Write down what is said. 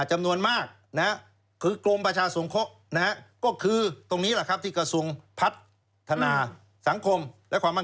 จำนวนมากคือกลมประชาสงครกลมประชาสงเคราะห์